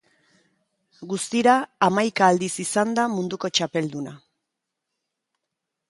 Guztira, hamaika aldiz izan da munduko txapelduna.